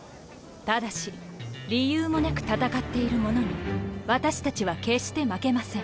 ただし理由もなく戦っている者に私たちは決して負けません。